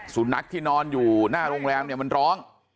สุนัขที่นอนอยู่หน้าโรงแรมเนี่ยมันร้อง